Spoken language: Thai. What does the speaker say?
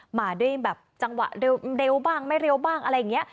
มาด้วยแบบจังหวะเร็วบ้างไม่เร็วบ้างอะไรอย่างนี้